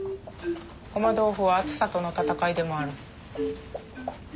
ごま豆腐は暑さとの戦いでもある。